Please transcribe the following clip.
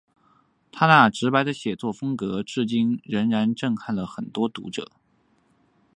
他那直白的写作风格至今仍然震撼了很多读者。